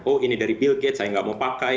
oh ini dari bill gate saya nggak mau pakai